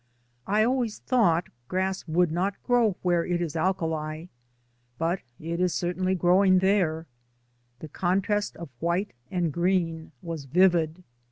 I always thought grass would not grow where there is alkali, but it is cer tainly growing there; the contrast of white and green was vivid.